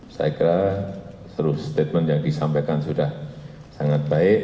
saya kira seluruh statement yang disampaikan sudah sangat baik